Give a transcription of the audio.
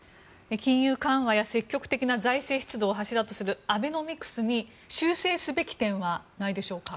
金融緩和や積極的な財政出動を柱とするアベノミクスに修正すべき点はないでしょうか？